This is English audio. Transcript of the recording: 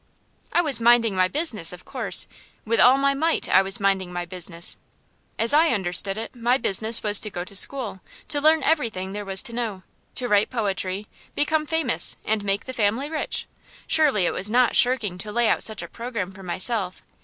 I was minding my business, of course; with all my might I was minding my business. As I understood it, my business was to go to school, to learn everything there was to know, to write poetry, become famous, and make the family rich. Surely it was not shirking to lay out such a programme for myself.